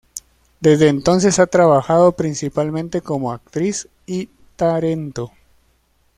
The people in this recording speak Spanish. Desde entonces ha trabajado principalmente como actriz y tarento.